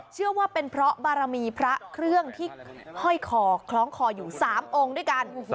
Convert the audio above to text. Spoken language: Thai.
เชื่อว่าเป็นเพราะบารมีพระเครื่องที่ห้อยคอคล้องคออยู่๓องค์ด้วยกัน